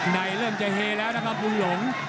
ในเริ่มจะเฮแล้วนะครับบุญหลง